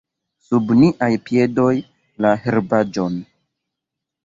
Sub niaj piedoj: la herbaĵon!